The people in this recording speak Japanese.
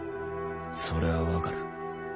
それは分かる。